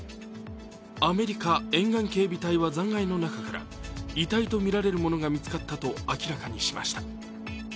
アメリカ沿岸警備隊は残骸の中から遺体とみられるものが見つかったと明らかにしました。